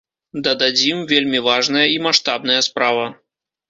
Дададзім, вельмі важная і маштабная справа.